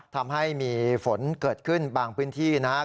ทำให้มีฝนเกิดขึ้นบางพื้นที่นะครับ